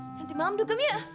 eh nanti malam dugem ya